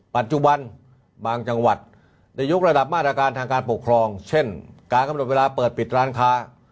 ปัจจุบันบางจังหวัดได้ยกระดับมาตรการทางการปกครองเช่นการกำหนดเวลาเปิดปิดร้านค้า